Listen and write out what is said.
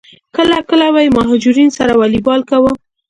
کله کله به یې مهاجرینو سره والیبال کاوه.